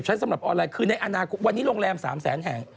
สำหรับออนไลน์คือในอนาคตวันนี้โรงแรม๓แสนแห่ง